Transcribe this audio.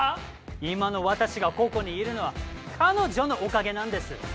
今の私がここにいるのは彼女のおかげなんです！